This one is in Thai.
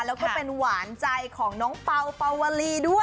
แล้วก็เป็นหวานใจของน้องเป่าเป่าวลีด้วย